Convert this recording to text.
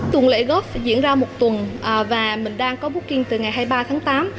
tuần lễ góp diễn ra một tuần và mình đang có booking từ ngày hai mươi ba tháng tám